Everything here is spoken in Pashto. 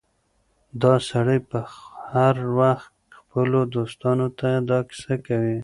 دا سړی به هر وخت خپلو دوستانو ته دا کيسه کوي.